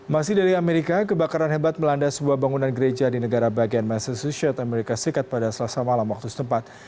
masih dari amerika kebakaran hebat melanda sebuah bangunan gereja di negara bagian massa sushion amerika serikat pada selasa malam waktu setempat